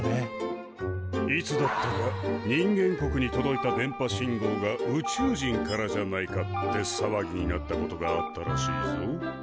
いつだったか人間国に届いた電波信号が宇宙人からじゃないかってさわぎになったことがあったらしいぞ。